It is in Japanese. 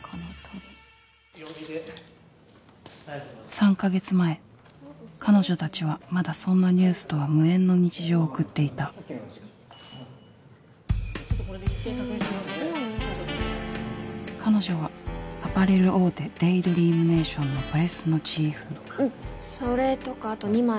３か月前彼女たちはまだそんなニュースとは無縁の日常を送っていた彼女はアパレル大手ＤＡＹＤＲＥＡＭＮＡＴＩＯＮのプレスのチーフうんそれとかあと２枚。